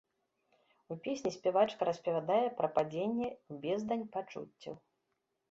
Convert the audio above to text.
У песні спявачка распавядае пра падзенне ў бездань пачуццяў.